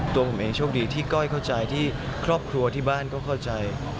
ตัวผมเองโชคดีที่ก้อยเข้าใจที่ครอบครัวที่บ้านก็เข้าใจ